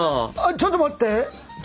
ちょっと待って！